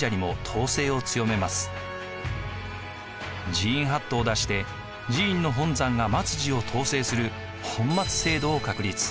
寺院法度を出して寺院の本山が末寺を統制する本末制度を確立。